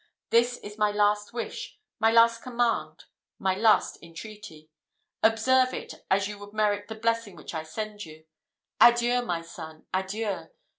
This is my last wish, my last command, my last entreaty. Observe it, as you would merit the blessing which I send you. Adieu, my son, adieu!